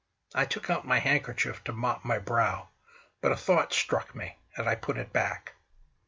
I took out my handkerchief to mop my brow; but a thought struck me, and I put it back.